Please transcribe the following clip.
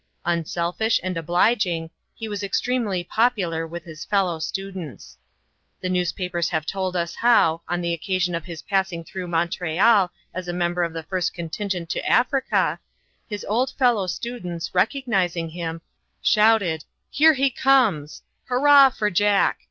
Unselfish and obliging, he was extremely popular with his fellow students. The newspapers have told us how, on the occasion of his passing through Montreal as a member of the first contingent to Africa, his old fellow students, recognizing him, shouted "Here he comes!" "Hurrah for Jack!"